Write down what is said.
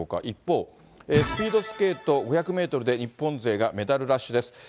一方、スピードスケート５００メートルで、日本勢がメダルラッシュです。